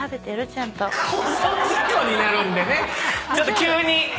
ちょっと急に。